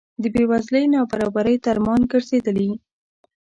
بې وزلۍ نابرابرۍ درمان ګرځېدلي.